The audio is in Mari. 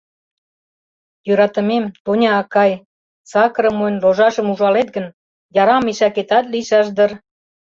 Йӧратымем, Тоня акай, сакырым монь, ложашым ужалет гын, яра мешакетат лийшаш дыр?